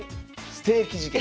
ステーキ事件。